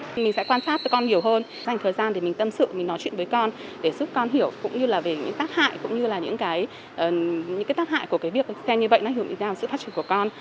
mình sẽ quan sát cho con nhiều hơn dành thời gian để mình tâm sự mình nói chuyện với con để giúp con hiểu cũng như là về những tác hại cũng như là những cái tác hại của cái việc xem như vậy nó hiểu mình ra về sự phát triển của con